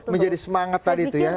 menjadi semangat tadi itu ya